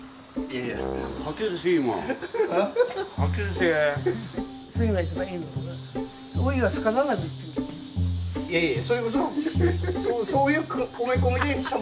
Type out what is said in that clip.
いやいやそういうことは。